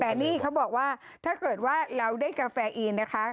แต่นี่เขาบอกว่าถ้าเกิดว่าเราได้กาแฟอีนนะคะ